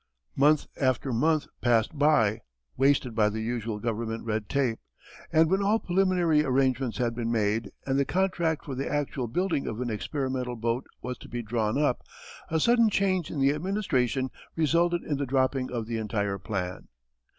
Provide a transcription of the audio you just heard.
Month after month passed by wasted by the usual governmental red tape, and when all preliminary arrangements had been made and the contract for the actual building of an experimental boat was to be drawn up, a sudden change in the administration resulted in the dropping of the entire plan.